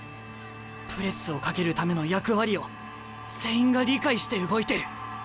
プレスをかけるための役割を全員が理解して動いてる。